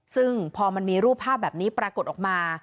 ซึ่งพอมันมีรูปภาพแบบนี้ปรากฏออกมา